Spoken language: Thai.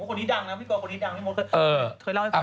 โอ้คนนี้ดังนะพิธีกรคนนี้ดังที่โมทเคยเล่าให้คุณมาบ่อย